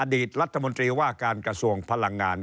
อดีตรัฐมนตรีว่าการกระทรวงพลังงาน